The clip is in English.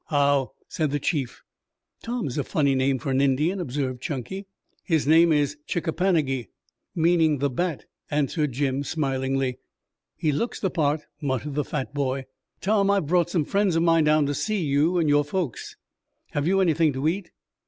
"How!" said the chief. "Tom is a funny name for an Indian," observed Chunky. "His name is Chick a pan a gi, meaning 'the bat'," answered Jim smilingly. "He looks the part," muttered the fat boy. "Tom, I've brought some friends of mine down to see you and your folks. Have you anything to eat?"